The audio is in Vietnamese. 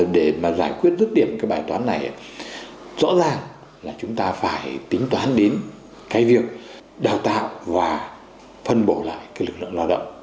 để mà giải quyết rứt điểm cái bài toán này rõ ràng là chúng ta phải tính toán đến cái việc đào tạo và phân bổ lại cái lực lượng lao động